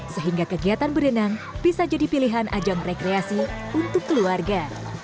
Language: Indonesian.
sehingga kegiatan berenang bisa jadi pilihan ajang rekreasi untuk keluarga